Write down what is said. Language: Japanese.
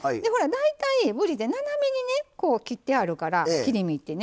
大体ぶりって斜めにねこう切ってあるから切り身ってね。